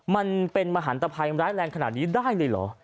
มันเป็นมหันตภัยร้ายแรงขนาดนี้ได้เลยเหรอ